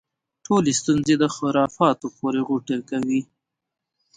ټولې ستونزې خرافاتو پورې غوټه کوي.